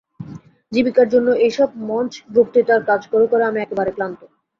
জীবিকার জন্য এইসব মঞ্চ-বক্তৃতার কাজ করে করে আমি একেবারে ক্লান্ত।